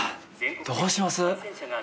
どうします？